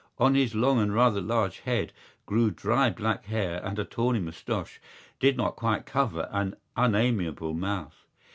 On his long and rather large head grew dry black hair and a tawny moustache did not quite cover an unamiable mouth.